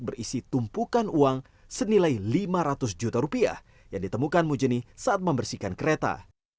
berisi tumpukan uang senilai lima ratus juta rupiah yang ditemukan mujeni saat membersihkan kereta